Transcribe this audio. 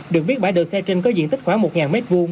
được biết bãi đậu xe trên có diện tích khoảng một m hai